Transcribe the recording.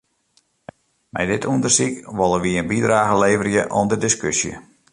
Mei dit ûndersyk wolle wy in bydrage leverje oan de diskusje.